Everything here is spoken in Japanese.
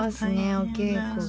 お稽古が。